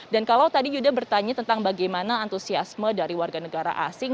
dan kalau tadi yuda bertanya tentang bagaimana antusiasme dari warga negara asing